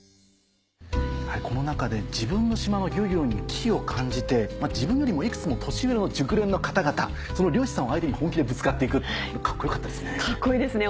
この中で自分の島の漁業に危機を感じて自分よりもいくつも年上の熟練の方々その漁師さんを相手に本気でぶつかって行くっていうのはカッコよかったですね。